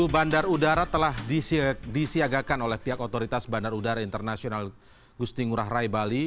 dua puluh bandar udara telah disiagakan oleh pihak otoritas bandar udara internasional gusti ngurah rai bali